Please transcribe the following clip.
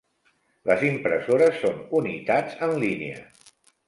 Les impressores són unitats en línia.